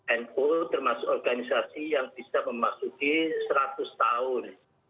and all termasuk organisasi yang bisa memasuki seratus tahun